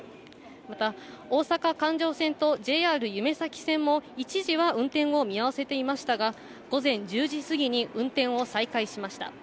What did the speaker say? また、大阪環状線とＪＲゆめ咲線も一時は運転を見合わせていましたが、午前１０時過ぎに運転を再開しました。